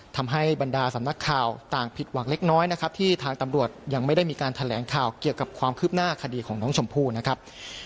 ทำให้บรรดาสำนักข่าวต่างผิดหวังเล็กน้อยนะครับที่ทางตำรวจยังไม่ได้มีการแถลงข่าวเกี่ยวกับความคืบหน้าคดีของน้องชมพู่นะครับ